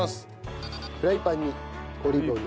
フライパンにオリーブオイル。